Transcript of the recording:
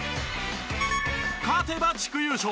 勝てば地区優勝。